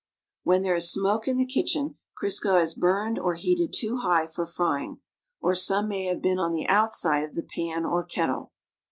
When there is smoke in the kitchen, Crisco has burned or heated ton higli for frying. Or some may have been on the oaisidc of the pan or keHte.